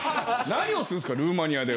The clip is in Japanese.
何をするんですかルーマニアで。